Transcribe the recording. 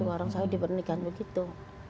orang orang dipernikahin begitu